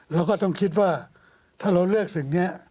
เราก็ต้องคิดว่าถ้าเราเลือกสิ่งนี้